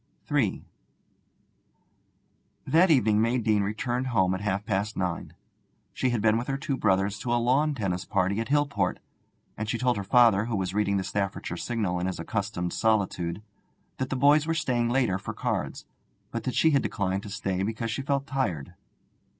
III That evening May Deane returned home at half past nine. She had been with her two brothers to a lawn tennis party at Hillport, and she told her father, who was reading the Staffordshire Signal in his accustomed solitude, that the boys were staying later for cards, but that she had declined to stay because she felt tired.